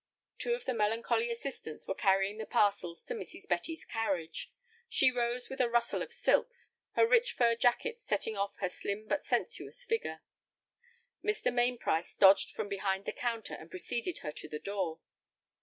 Two of the melancholy assistants were carrying the parcels to Mrs. Betty's carriage. She rose with a rustle of silks, her rich fur jacket setting off her slim but sensuous figure. Mr. Mainprice dodged from behind the counter, and preceded her to the door.